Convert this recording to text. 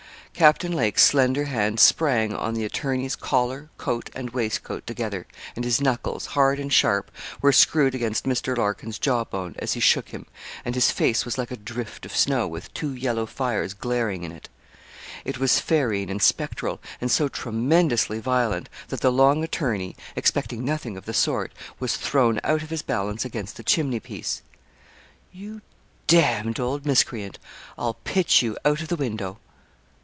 Captain Lake's slender hand sprang on the attorney's collar, coat and waistcoat together, and his knuckles, hard and sharp, were screwed against Mr. Larkin's jaw bone, as he shook him, and his face was like a drift of snow, with two yellow fires glaring in it. It was ferine and spectral, and so tremendously violent, that the long attorney, expecting nothing of the sort, was thrown out of his balance against the chimneypiece. 'You d d old miscreant! I'll pitch you out of the window.'